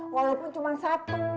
walaupun cuma satu